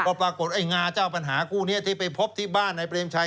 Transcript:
ก็ปรากฏไอ้งาเจ้าปัญหากู้นี้ที่ไปพบที่บ้านในเปรียบใช้